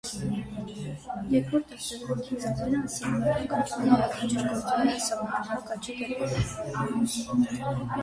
Երկրորդ՝ արտադրանքի ծավալը անսահմանափակ աճում է յուրաքանչյուր գործոնի անսահմանափակ աճի դեպքում։